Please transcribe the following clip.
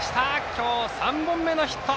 今日３本目のヒット。